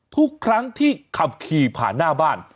ทุกครั้งที่ขับขี่ผ่านหน้าบ้าน